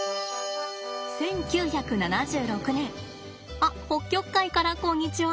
あっ北極海からこんにちは。